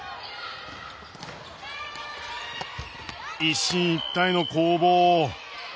一進一退の攻防。